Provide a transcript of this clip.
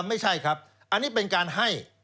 ไม่ใช่ครับอันนี้เป็นการให้